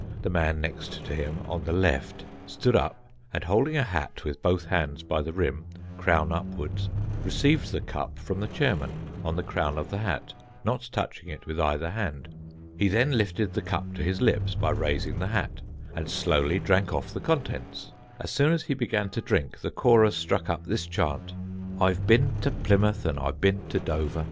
The man next to him on the left stood up, and holding a hat with both hands by the brim, crown upwards, received the cup from the chairman, on the crown of the hat, not touching it with either hand. He then lifted the cup to his lips by raising the hat, and slowly drank off the contents. As soon as he began to drink, the chorus struck up this chant: I've bin to Plymouth and I've bin to Dover.